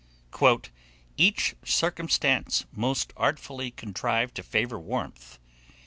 "Each circumstance Most artfully contrived to favour warmth.